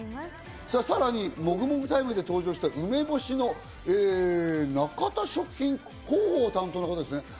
さらにもぐもぐタイムで登場した梅干しの中田食品、広報担当の方ですね。